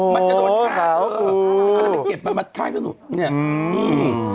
มันมาทั้งอย่างนี้